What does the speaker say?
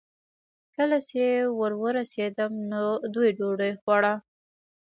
کله چې ور ورسېدم، نو دوی ډوډۍ خوړه.